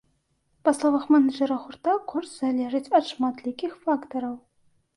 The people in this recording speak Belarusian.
Па словах менеджара гурта, кошт залежыць ад шматлікіх фактараў.